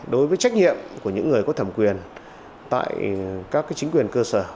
đối với trách nhiệm của những người có thẩm quyền tại các chính quyền cơ sở